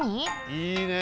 いいねえ。